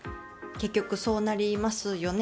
結局そうなりますよね。